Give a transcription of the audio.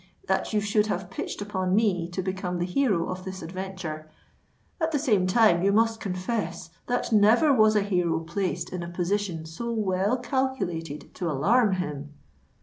—that you should have pitched upon me to become the hero of this adventure: at the same time you must confess that never was a hero placed in a position so well calculated to alarm him."